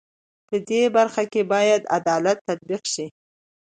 په دې برخه کې بايد عدالت تطبيق شي.